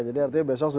jadi artinya besok sudah